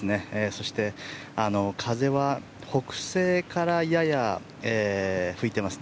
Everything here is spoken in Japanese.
そして、風は北西からやや吹いています。